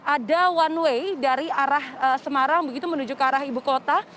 ada one way dari arah semarang begitu menuju ke arah ibu kota